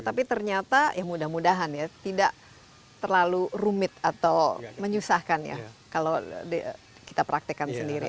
tapi ternyata ya mudah mudahan ya tidak terlalu rumit atau menyusahkan ya kalau kita praktekkan sendiri